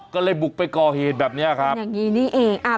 ก็เลยบุกไปก่อเหตุแบบนี้ครับอย่างนี้นี่เอง